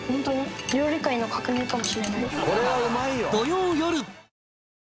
料理界の革命かもしれない。